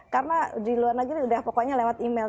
karena di luar negeri sudah pokoknya lewat email